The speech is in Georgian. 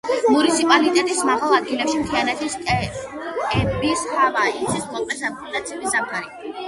მუნიციპალიტეტის მაღალ ადგილებში მთიანეთის სტეპების ჰავაა, იცის მოკლე ზაფხული და ცივი ზამთარი.